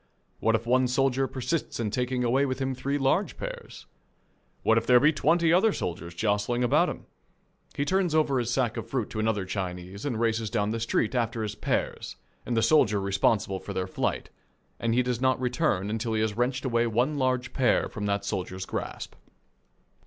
What if one soldier persist in taking away with him three large pears? What if there be twenty other soldiers jostling about him? He turns over his sack of fruit to another Chinese and races down the street after his pears and the soldier responsible for their flight, and he does not return till he has wrenched away one large pear from that soldier's grasp.